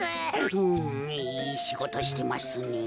うんいいしごとしてますね。